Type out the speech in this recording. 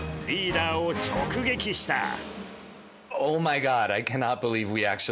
リーダーを直撃した。